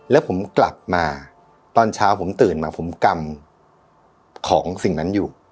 แล้วผมกลับมาตอนเช้าผมตื่นมาผมกำของสิ่งนั้นอยู่